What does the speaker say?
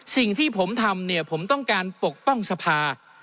สิ่งที่ผมทำเนี่ยผมต้องการปกป้องสภา